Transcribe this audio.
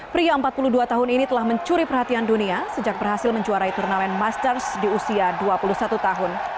pria empat puluh dua tahun ini telah mencuri perhatian dunia sejak berhasil menjuarai turnamen masters di usia dua puluh satu tahun